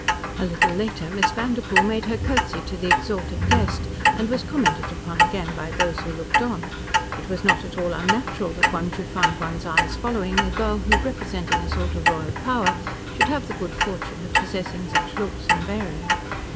A little later Miss Vanderpoel made her curtsy to the exalted guest, and was commented upon again by those who looked on. It was not at all unnatural that one should find ones eyes following a girl who, representing a sort of royal power, should have the good fortune of possessing such looks and bearing.